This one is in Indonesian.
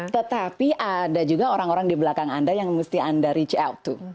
tetapi ada juga orang orang di belakang anda yang mesti anda reach out tuh